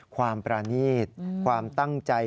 ความประนีตความตั้งใจ